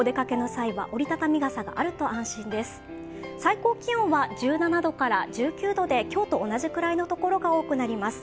最高気温は１７度から１９度で今日と同じくらいのところが多くなります。